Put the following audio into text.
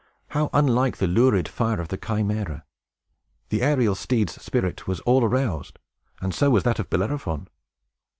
How unlike the lurid fire of the Chimæra! The aerial steed's spirit was all aroused, and so was that of Bellerophon.